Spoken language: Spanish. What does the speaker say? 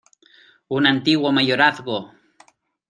¡ un antiguo mayorazgo!